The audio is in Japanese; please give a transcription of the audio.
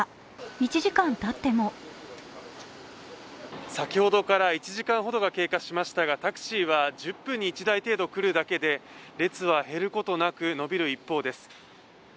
１時間たっても先ほどから１時間ほどが経過しましたがタクシーは１０分に１台程度来るだけで列は減ることなく伸びる一方です。